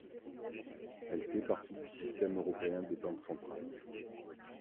Elle fait partie du Système européen des banques centrales.